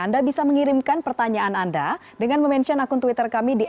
anda bisa mengirimkan pertanyaan anda dengan mention akun twitter kami di